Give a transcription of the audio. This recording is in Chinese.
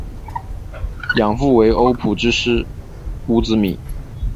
养父为欧普之狮乌兹米。